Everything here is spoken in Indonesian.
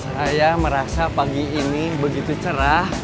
saya merasa pagi ini begitu cerah